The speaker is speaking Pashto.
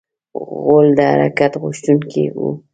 غول د حرکت غوښتونکی دی.